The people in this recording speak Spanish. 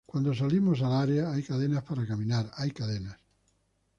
Cuando salimos al área, hay cadenas, para caminar, hay cadenas.